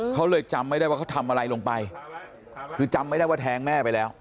เขาเลยจำไม่ได้ว่าเขาทำอะไรลงไปคือจำไม่ได้ว่าแทงแม่ไปแล้ว